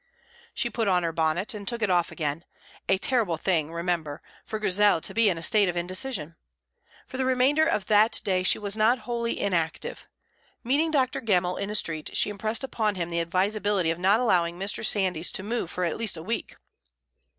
She put on her bonnet, and took it off again; a terrible thing, remember, for Grizel to be in a state of indecision. For the remainder of that day she was not wholly inactive. Meeting Dr. Gemmell in the street, she impressed upon him the advisability of not allowing Mr. Sandys to move for at least a week.